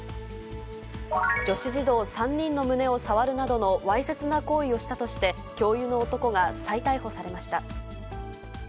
女子児童３人の胸を触るなどのわいせつな行為をしたとして、教諭の男が再逮捕されました。